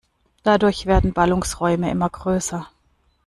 Dadurch werden Ballungsräume immer größer.